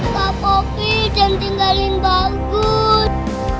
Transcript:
kak poppy jangan tinggalin bagus